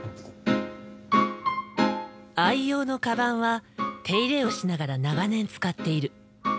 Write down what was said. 愛用のカバンは手入れをしながら長年使っている。